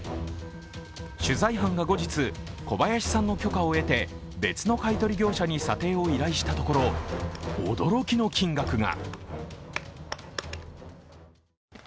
取材班が後日、小林さんの許可を得て別の買い取り業者に査定を依頼したところ、驚きの金額が。